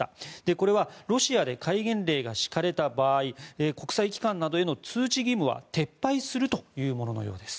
これは、ロシアで戒厳令が敷かれた場合国際機関などへの通知義務は撤廃するというもののようです。